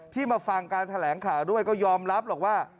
มาฟังการแถลงข่าวด้วยก็ยอมรับหรอกว่า